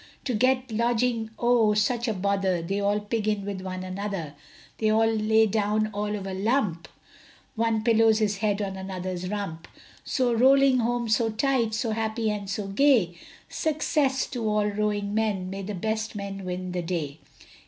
To get lodging, oh, such a bother, They all pig in with one another, They all lay down all of a lump, One pillows his head on another's rump. So rolling home so tight, So happy and so gay, Success to all rowing men, May the best men win the day.